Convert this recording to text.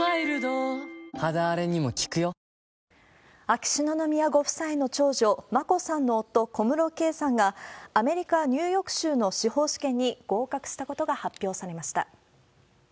秋篠宮ご夫妻の長女、眞子さんの夫、小室圭さんが、アメリカ・ニューヨーク州の司法試験に合格したことが発表されました。